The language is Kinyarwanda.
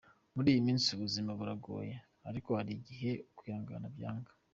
Muri iyi minsi ubuzima buragoye ariko hari igihe kwihangana byanga.